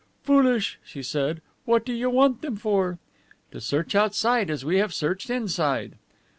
"Foolish," she said. "What do you want them for?" "To search outside as we have searched inside."